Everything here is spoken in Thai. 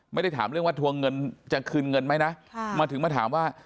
ไม่ได้ถามเรื่องว่าทวงเงินจะคืนเงินไหมนะมาถึงมาถามว่า